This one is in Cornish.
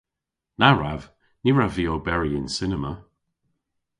Na wrav! Ny wrav vy oberi yn cinema.